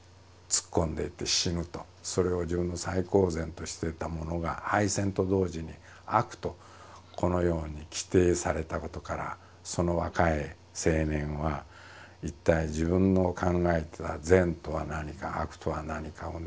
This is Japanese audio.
それを自分の最高善としていたものが敗戦と同時に悪とこのように規定されたことからその若い青年は一体自分の考えてた善とは何か悪とは何かをね